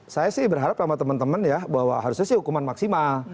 saya sih berharap sama teman teman ya bahwa harusnya sih hukuman maksimal